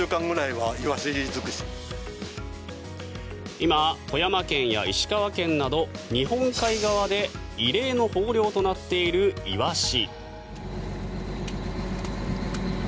今、富山県や石川県など日本海側で異例の豊漁となっているイワシ。